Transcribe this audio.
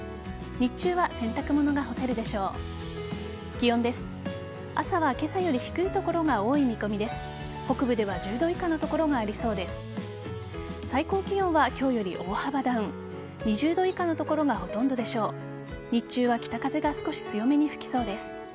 日中は北風が少し強めに吹きそうです。